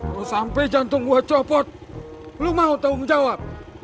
lo sampe jantung gue copot lo mau tanggung jawab